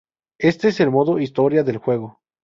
Este es el modo historia del juego.